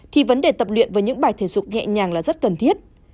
thì vấn đề tập luyện với những bài thể dục nhẹ nhàng là rất cần thiết